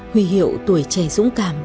huy hiệu tuổi trẻ dũng cảm